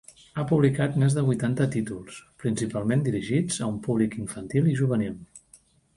Ha publicat més de vuitanta títols, principalment dirigits a un públic infantil i juvenil.